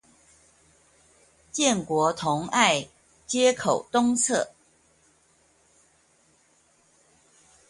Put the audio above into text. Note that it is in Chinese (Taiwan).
建國同愛街口東側